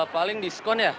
paling diskon ya